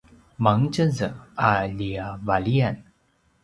mangetjez a ljavaliyan